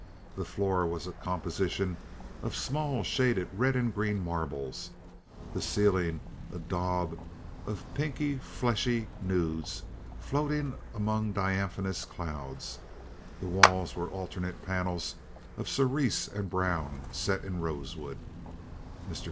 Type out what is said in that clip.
The floor was a composition of small, shaded red and green marbles; the ceiling a daub of pinky, fleshy nudes floating among diaphanous clouds; the walls were alternate panels of cerise and brown set in rosewood. Mr.